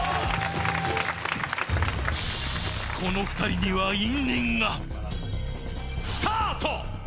この２人には因縁がスタート！